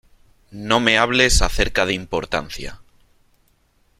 No me hables acerca de importancia .